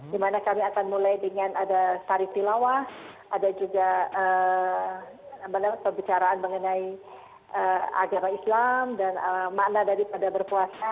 di mana kami akan mulai dengan ada sarif tilawah ada juga pembicaraan mengenai agama islam dan makna daripada berpuasa